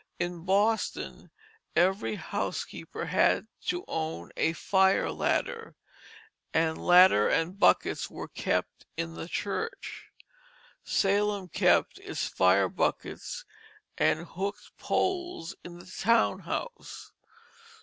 In Boston every housekeeper had to own a fire ladder; and ladders and buckets were kept in the church. Salem kept its "fire buckets and hook'd poles" in the town house.